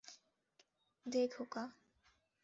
দে, খোকা।